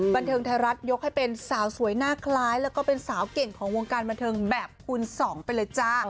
บันเทิงไทยรัฐยกให้เป็นสาวสวยหน้าคล้ายแล้วก็เป็นสาวเก่งของวงการบันเทิงแบบคูณสองไปเลยจ้า